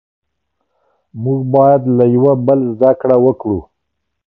موږ بايد له يوه بل زده کړه وکړو.